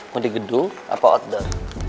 mau di gedung apa outdoor